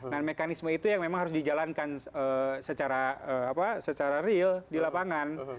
nah mekanisme itu yang memang harus dijalankan secara real di lapangan